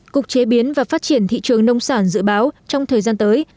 cục chế biến và phát triển thị trường nông sản dự báo trong thời gian tới